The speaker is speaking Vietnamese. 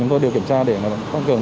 chúng tôi đều kiểm tra để tăng cường